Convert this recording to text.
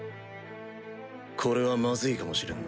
これはまずいかもしれんな。